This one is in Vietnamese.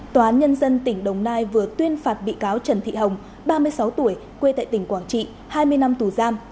tòa án nhân dân tỉnh đồng nai vừa tuyên phạt bị cáo trần thị hồng ba mươi sáu tuổi quê tại tỉnh quảng trị hai mươi năm tù giam